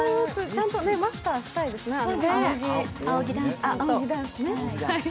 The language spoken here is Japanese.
ちゃんとマスターしたいですね、扇ぎダンス。